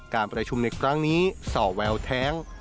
การประชุมในครั้งนี้ส่อแววแท้ง